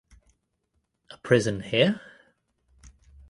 A prison here?